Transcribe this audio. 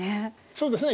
そうですね。